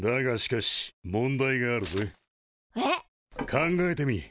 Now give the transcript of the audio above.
考えてみ。